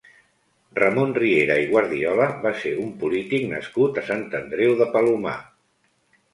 Ramon Riera i Guardiola va ser un polític nascut a Sant Andreu de Palomar.